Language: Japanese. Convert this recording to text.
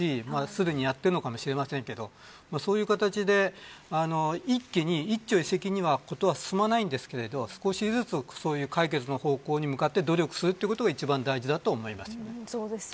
すでにやっているのかもしれませんがそういう形で一朝一夕には事は進まないですが少しずつ解決の方向に向かって努力することが一番大事だと思います。